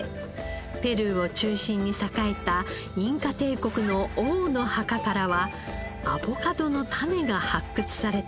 ペルーを中心に栄えたインカ帝国の王の墓からはアボカドの種が発掘されています。